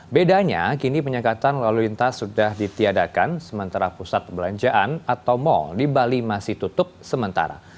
bedanya kini penyekatan lalu lintas sudah ditiadakan sementara pusat perbelanjaan atau mal di bali masih tutup sementara